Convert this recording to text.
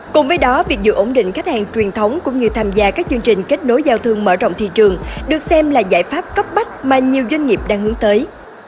cùng với đó việc giữ ổn định khách hàng truyền thống cũng như tham gia các chương trình kết nối giao thương mở rộng thị trường được xem là giải pháp cấp bách mà nhiều doanh nghiệp đang hướng tới